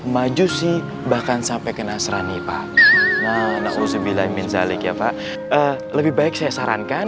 majusi bahkan sampai kena serani pak nah nak usul bilay minzalik ya pak lebih baik saya sarankan